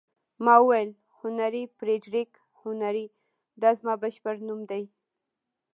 ما وویل: هنري، فرېډریک هنري، دا زما بشپړ نوم دی.